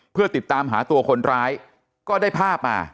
เพื่อติดตามหาตัวคนร้ายก็ได้ภาพมา